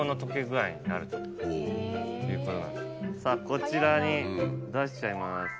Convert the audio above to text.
こちらに出しちゃいます。